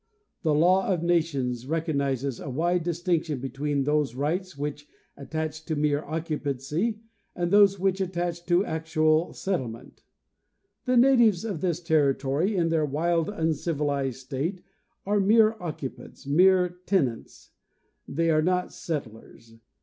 The law of nations recognizes a wide distinction between those rights which attach to mere occupancy and those which attach to actual settlement. The natives of this territory in their wild, uncivilized state are mere occupants, mere tenants; they are not settlers.